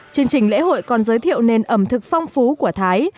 chương trình lễ hội còn giới thiệu nền ẩm thực phong phú của thái